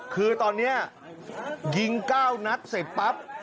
คือตอนนี้ยิง๙นัดเสร็จปั๊บ